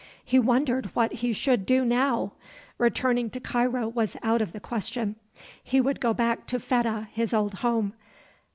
He wondered what he should do now. Returning to Cairo was out of the question. He would go back to Fedah, his old home.